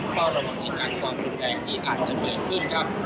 ก็ระวังให้การความกลุ่มแดงที่อาจจะเปลี่ยนขึ้นครับ